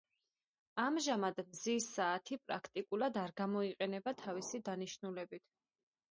ამჟამად მზის საათი პრაქტიკულად არ გამოიყენება თავისი დანიშნულებით.